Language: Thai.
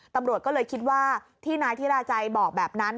ตำรวจก็เลยคิดว่าที่นายธิราจัยบอกแบบนั้น